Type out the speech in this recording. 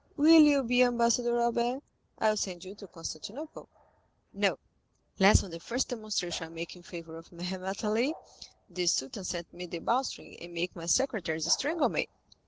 Will you be ambassador, Albert? I will send you to Constantinople." "No, lest on the first demonstration I make in favor of Mehemet Ali, the Sultan send me the bowstring, and make my secretaries strangle me."